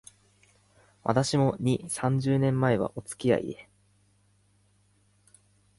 私も、二、三十年前は、おつきあいで